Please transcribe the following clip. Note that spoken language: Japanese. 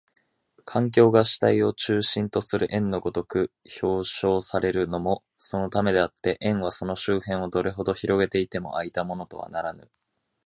環境が主体を中心とする円の如く表象されるのもそのためであって、円はその周辺をどれほど拡げても開いたものとはならぬ。